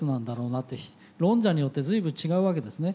論者によって随分違うわけですね。